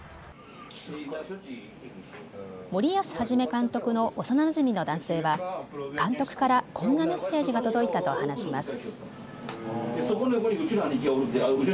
森保一監督の幼なじみの男性は監督からこんなメッセージが届いたと話します。